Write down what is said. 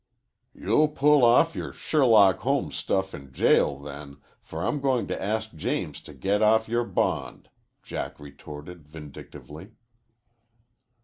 "You'll pull off your Sherlock Holmes stuff in jail, then, for I'm going to ask James to get off your bond," Jack retorted vindictively.